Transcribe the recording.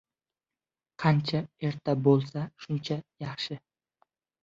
Qancha erta boʻlsa, shuncha yaxshi.